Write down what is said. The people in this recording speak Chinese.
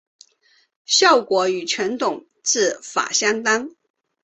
效果与传统制法相当。